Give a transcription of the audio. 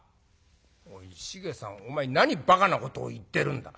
「おい繁さんお前何ばかなことを言ってるんだ？